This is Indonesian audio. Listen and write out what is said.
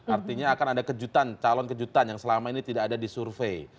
artinya akan ada kejutan calon kejutan yang selama ini tidak ada di survei